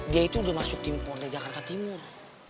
dia itu udah masuk tim pordel jakarta timur